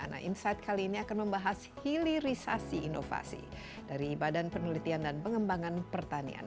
nah insight kali ini akan membahas hilirisasi inovasi dari badan penelitian dan pengembangan pertanian